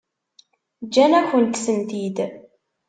Ǧǧan-akent-tent-id.